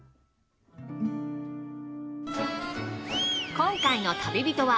今回の旅人は。